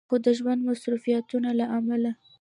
خو د ژوند د مصروفياتو له عمله